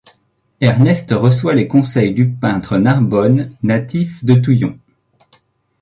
Ernest reçoit les conseils du peintre Narbonne, natif de Touillon.